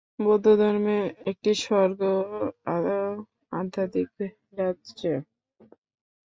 বৌদ্ধধর্মে এটি স্বর্গ ও আধ্যাত্মিক রাজ্য।